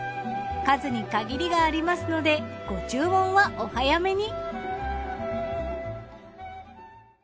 数に限りがありますのでご注文はお早めに。